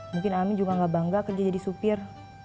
mungkin amin juga gak bangga kerja jadi sufir